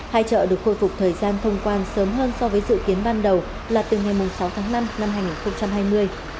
hai chợ được khôi phục thời gian thông quan sớm hơn so với dự kiến ban đầu là từ ngày sáu tháng năm năm hai nghìn hai mươi